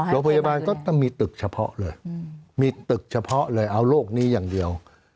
โรงพยาบาลก็ต้องมีตึกเฉพาะเลยมีตึกเฉพาะเลยเอาโรคนี้อย่างเดียว